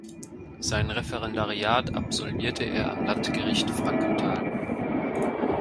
Sein Referendariat absolvierte er am Landgericht Frankenthal.